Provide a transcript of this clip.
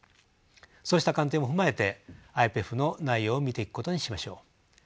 そうした観点も踏まえてＩＰＥＦの内容を見ていくことにしましょう。